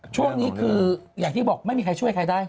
ช่วงนี้คืออย่างที่บอกไม่มีใครช่วยใครได้